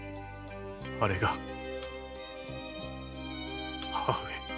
あれが母上！